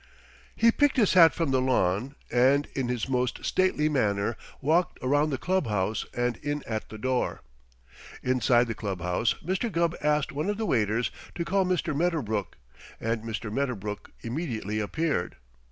He picked his hat from the lawn, and in his most stately manner walked around the club house and in at the door. Inside the club house, Mr. Gubb asked one of the waiters to call Mr. Medderbrook, and Mr. Medderbrook immediately appeared.